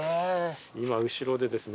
今後ろでですね